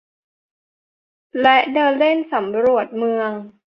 และเดินเล่นสำรวจเมือง